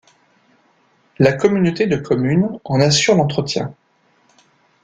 La communauté de communes en assure l'entretien.